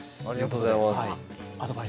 ありがとうございます。